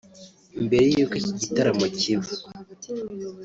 Mbere y’uko iki gitaramo kiba